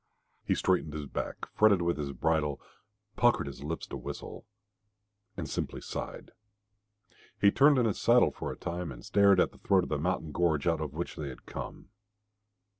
He straightened his back, fretted with his bridle, puckered his lips to whistle, and simply sighed. He turned in his saddle for a time, and stared at the throat of the mountain gorge out of which they had come.